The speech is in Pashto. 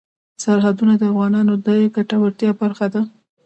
سرحدونه د افغانانو د ګټورتیا برخه ده.